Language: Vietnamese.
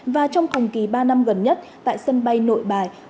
và trong cùng kỳ ba năm gần nhất tại sân bay nội bài